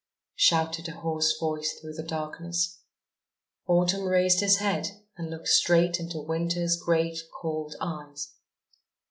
shouted a hoarse voice through the darkness. Autumn raised his head and looked straight into Winter's great, cold eyes!